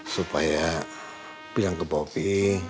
supaya bilang ke bobi